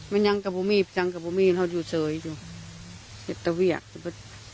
มันยังกับผมอีกยังกับผมอีกเขาอยู่เสวยอยู่เสร็จตะเวียก